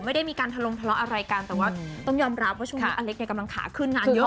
ไม่ได้มีการทะลงทะเลาะอะไรกันแต่ว่าต้องยอมรับว่าช่วงนี้อเล็กเนี่ยกำลังขาขึ้นงานเยอะ